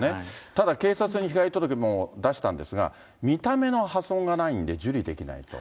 ただ警察に被害届も出したんですが、見た目の破損がないんで受理できないと。